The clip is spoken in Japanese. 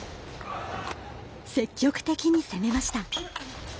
積極的に攻めました。